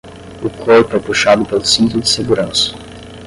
O corpo é puxado pelo cinto de segurança